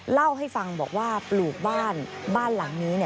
เล่าให้ฟังบอกว่าปลูกบ้านบ้านหลังนี้